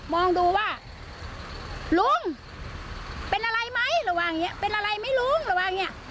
มองดูว่าลุงเป็นอะไรไหมระหว่างเนี้ยเป็นอะไรไหมลุงระวังเนี่ย